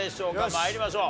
参りましょう。